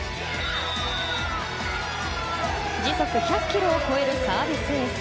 時速１００キロを超えるサービスエース。